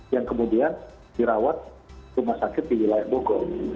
yang kemudian dirawat rumah sakit di wilayah bogor